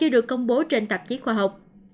được công bố trên tạp chí khoa học